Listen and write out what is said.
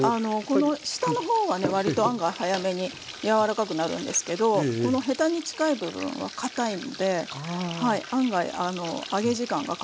この下の方はね割と案外早めにやわらかくなるんですけどこのヘタに近い部分はかたいので案外揚げ時間がかかるんですよ。